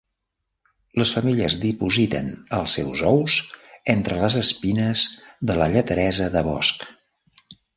Les femelles dipositen els seus ous entre les espines de la lleteresa de bosc.